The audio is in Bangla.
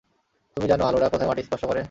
তুমি জানো আলোরা কোথায় মাটি স্পর্শ করে?